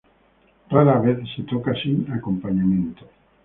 Rara vez se toca sin acompañamiento.